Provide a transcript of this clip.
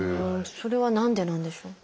それは何でなんでしょうか？